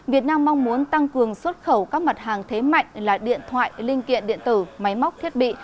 việt nam mong muốn tăng cường xuất khẩu các mặt hàng thế mạnh là điện thoại linh kiện điện tử máy móc thiết bị